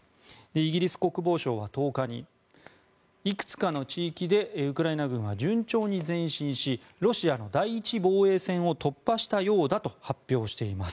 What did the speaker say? イギリス国防省は１０日にいくつかの地域でウクライナ軍は順調に前進しロシアの第１防衛線を突破したようだと発表しています。